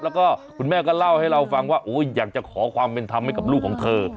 แล้วก็คุณแม่ก็เล่าให้เราฟังว่าอยากจะขอความเป็นธรรมให้กับลูกของเธอ